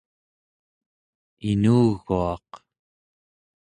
inuguaq